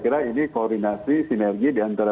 kira ini koordinasi sinergi diantara